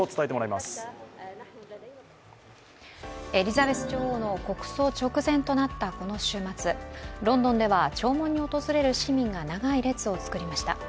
エリザベス女王の国葬直前となったこの週末ロンドンでは弔問に訪れる市民が長い列を作りました。